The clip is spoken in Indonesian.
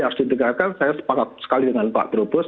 harus ditinggalkan saya sepakat